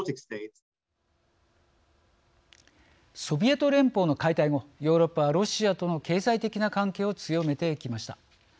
ソビエト連邦の解体後ヨーロッパはロシアとの経済的な関係を強めてきました。